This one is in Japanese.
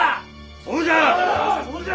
そうじゃ！